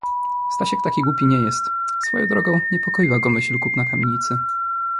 "Stasiek taki głupi nie jest...“ Swoją drogą niepokoiła go myśl kupna kamienicy."